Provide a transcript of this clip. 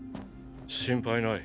心配ない。